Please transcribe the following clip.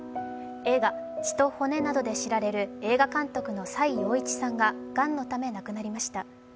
映画「血と骨」などで知られる映画監督の崔洋一さんががんのため亡くなりました。